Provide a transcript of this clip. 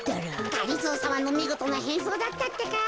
がりぞーさまのみごとなへんそうだったってか。